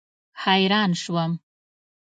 حیران شوم.